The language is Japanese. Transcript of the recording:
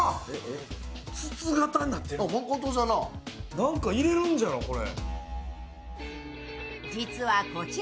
何か入れるんじゃろ、これ。